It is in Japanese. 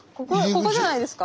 ここじゃないですか？